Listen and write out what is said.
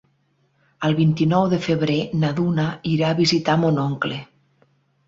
El vint-i-nou de febrer na Duna irà a visitar mon oncle.